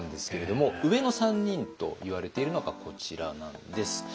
上の３人といわれているのがこちらなんです。